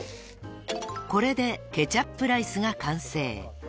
［これでケチャップライスが完成］